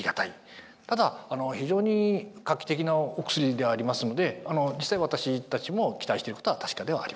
ただ非常に画期的なお薬ではありますので実際私たちも期待してることは確かではあります。